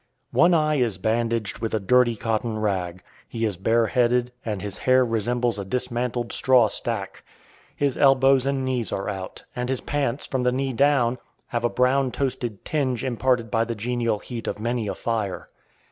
One eye is bandaged with a dirty cotton rag. He is bareheaded, and his hair resembles a dismantled straw stack. His elbows and knees are out, and his pants, from the knee down, have a brown toasted tinge imparted by the genial heat of many a fire.